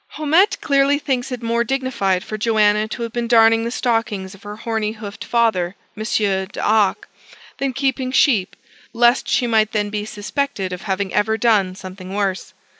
Haumette clearly thinks it more dignified for Joanna to have been darning the stockings of her horny hoofed father, Monsieur D'Arc, than keeping sheep, lest she might then be suspected of having ever done something worse.